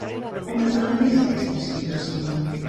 On es dona més aquesta situació?